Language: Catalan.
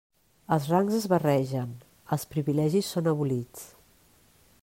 Els rangs es barregen, els privilegis són abolits.